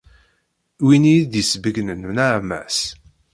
Win i iyi-d-isbeyynen nneɛma-s.